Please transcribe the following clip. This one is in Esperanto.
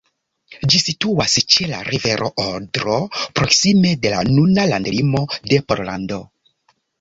Ĝi situas ĉe la rivero Odro, proksime de la nuna landlimo de Pollando.